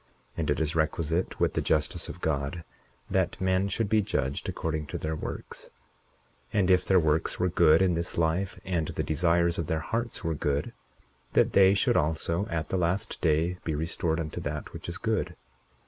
41:3 And it is requisite with the justice of God that men should be judged according to their works; and if their works were good in this life, and the desires of their hearts were good, that they should also, at the last day, be restored unto that which is good.